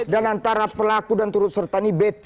dan antara pelaku dan turut serta ini betty